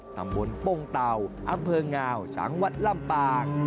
ตำบลป้งเต่าอำเภองาวจังหวัดลำปาง